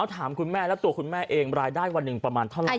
ถามคุณแม่แล้วตัวคุณแม่เองรายได้วันหนึ่งประมาณเท่าไหร่